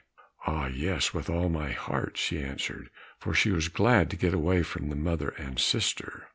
"Ah, yes, with all my heart," she answered, for she was glad to get away from the mother and sister.